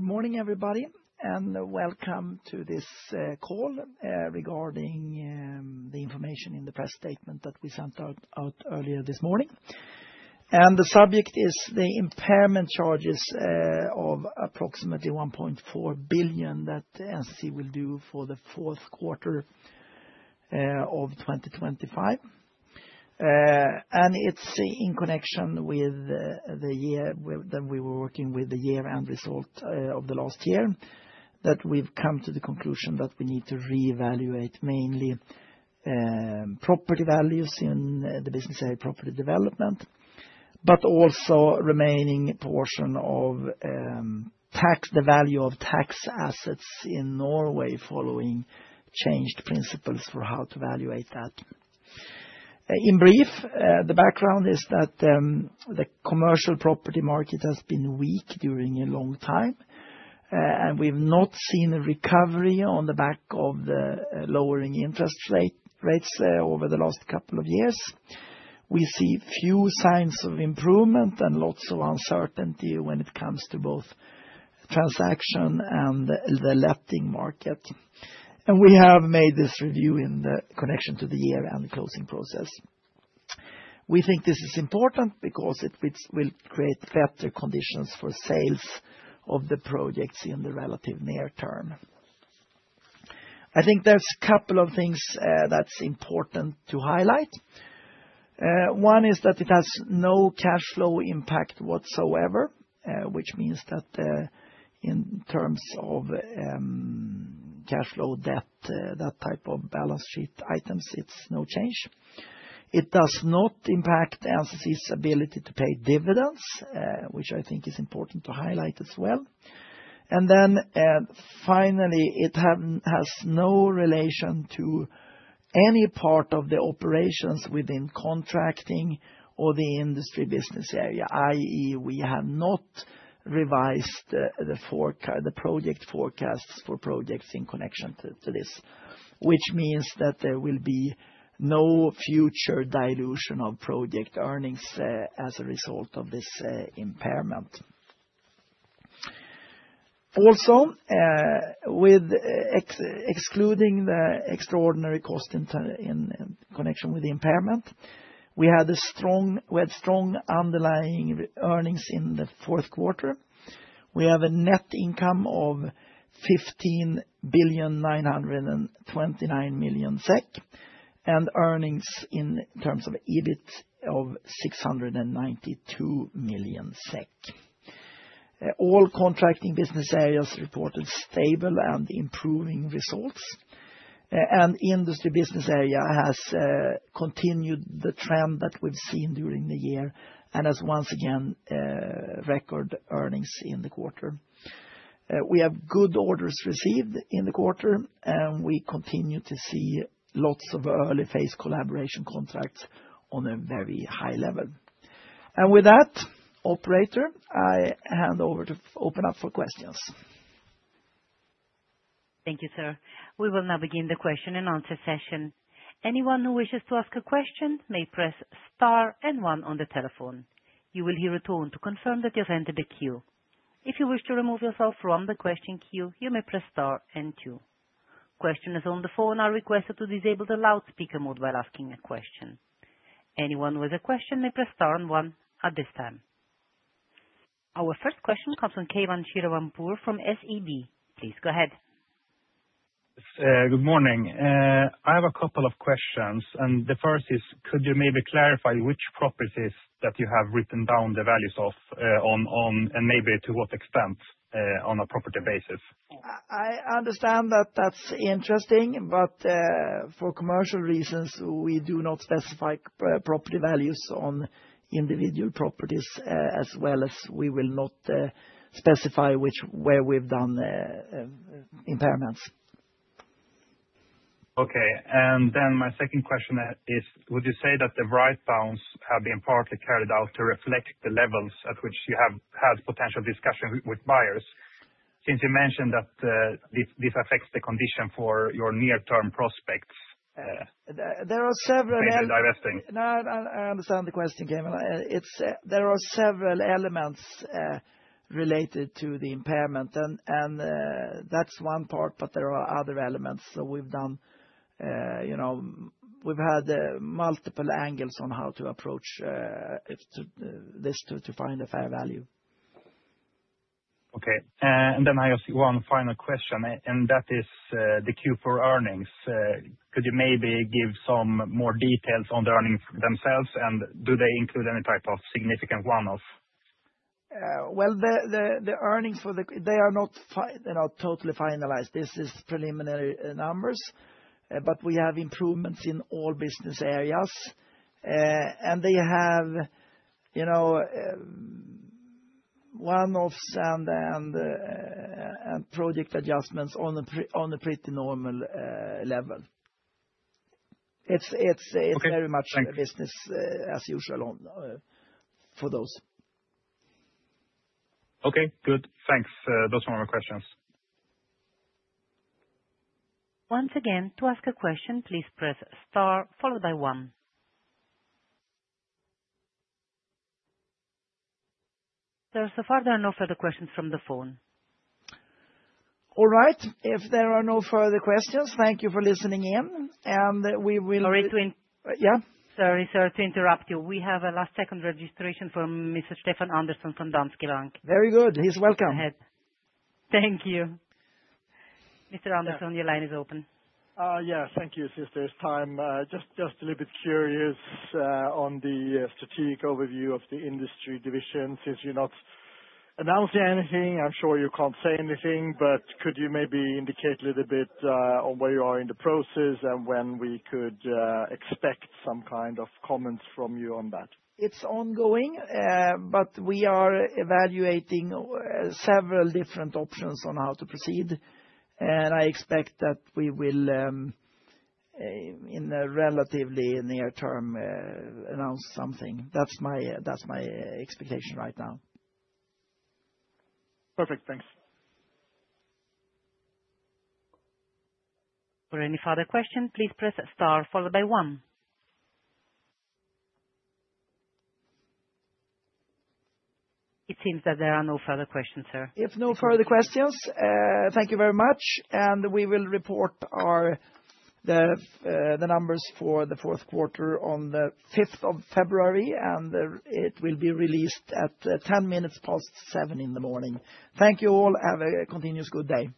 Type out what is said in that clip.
Good morning, everybody, and welc ome to this call regarding the information in the press statement that we sent out earlier this morning. And the subject is the impairment charges of approximately 1.4 billion that NCC will do for the fourth quarter of 2025. And it's in connection with the year that we were working with, the year-end result of the last year, that we've come to the conclusion that we need to reevaluate mainly property values in the business area, Property Development. But also remaining portion of tax, the value of tax assets in Norway, following changed principles for how to valuate that. In brief, the background is that the commercial property market has been weak during a long time, and we've not seen a recovery on the back of the lowering interest rates over the last couple of years. We see few signs of improvement and lots of uncertainty when it comes to both transaction and the letting market. We have made this review in the connection to the year-end closing process. We think this is important because it, which will create better conditions for sales of the projects in the relative near term. I think there's a couple of things that's important to highlight. One is that it has no cash flow impact whatsoever, which means that, in terms of cash flow, debt, that type of balance sheet items, it's no change. It does not impact NCC's ability to pay dividends, which I think is important to highlight as well. And then, finally, it has no relation to any part of the operations within contracting or the Industry business area, i.e., we have not revised the project forecasts for projects in connection to this. Which means that there will be no future dilution of project earnings as a result of this impairment. Also, with excluding the extraordinary cost in connection with the impairment, we had strong underlying earnings in the fourth quarter. We have a net income of 15,929 million SEK, and earnings in terms of EBIT of 692 million SEK. All contracting business areas reported stable and improving results. Industry business area has continued the trend that we've seen during the year, and has once again record earnings in the quarter. We have good orders received in the quarter, and we continue to see lots of early-phase collaboration contracts on a very high level. And with that, operator, I hand over to open up for questions. Thank you, sir. We will now begin the question-and-answer session. Anyone who wishes to ask a question may press star and one on the telephone. You will hear a tone to confirm that you've entered the queue. If you wish to remove yourself from the question queue, you may press star and two. Questioners on the phone are requested to disable the loudspeaker mode while asking a question. Anyone with a question may press star and one at this time. Our first question comes from Kaveh Shirvanpour from SEB. Please go ahead. Good morning. I have a couple of questions, and the first is: could you maybe clarify which properties that you have written down the values of on, and maybe to what extent on a property basis? I understand that that's interesting, but, for commercial reasons, we do not specify property values on individual properties, as well as we will not specify which, where we've done, impairments. Okay. And then my second question is: would you say that the write-downs have been partly carried out to reflect the levels at which you have had potential discussion with buyers, since you mentioned that this affects the condition for your near-term prospects? There are several el- Thank you for addressing. No, I understand the question, Keivan. There are several elements related to the impairment, and that's one part, but there are other elements. So we've done, you know, we've had multiple angles on how to approach it this to find a fair value. Okay. And then I ask you one final question, and that is, the Q4 earnings. Could you maybe give some more details on the earnings themselves, and do they include any type of significant one-offs? Well, the earnings for the quarter they are not totally finalized. This is preliminary numbers, but we have improvements in all business areas. And they have, you know, one-offs and project adjustments on a pretty normal level. It's Okay. Very much business as usual on for those. Okay, good. Thanks. Those were my questions. Once again, to ask a question, please press star followed by one. Sir, so far there are no further questions from the phone. All right, if there are no further questions, thank you for listening in, and we will. Sorry to in- Yeah? Sorry, sir, to interrupt you. We have a last-second registration from Mr. Stefan Andersson from Danske Bank. Very good. He's welcome. Go ahead. Thank you. Mr. Andersson, your line is open. Yeah, thank you, since there's time. Just a little bit curious on the strategic overview of the industry division. Since you're not announcing anything, I'm sure you can't say anything, but could you maybe indicate a little bit on where you are in the process, and when we could expect some kind of comments from you on that? It's ongoing, but we are evaluating several different options on how to proceed, and I expect that we will, in the relatively near term, announce something. That's my, that's my, expectation right now. Perfect. Thanks. For any further question, please press star followed by one. It seems that there are no further questions, sir. If no further questions, thank you very much, and we will report the numbers for the fourth quarter on the fifth of February, and it will be released at 7:10 A.M. Thank you all. Have a continuous good day.